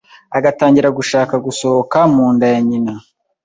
agatangira gushaka gusohoka mu nda ya nyina.